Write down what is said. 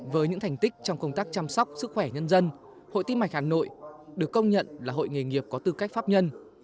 với những thành tích trong công tác chăm sóc sức khỏe nhân dân hội tim mạch hà nội được công nhận là hội nghề nghiệp có tư cách pháp nhân